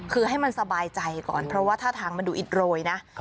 คือให้มันสบายใจก่อนเพราะว่าท่าทางมันดูอิดโรยนะ